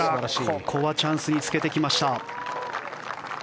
ここはチャンスにつけてきました。